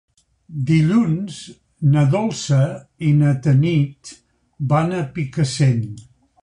Dilluns na Dolça i na Tanit van a Picassent.